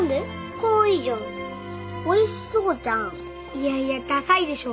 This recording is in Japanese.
いやいやださいでしょ。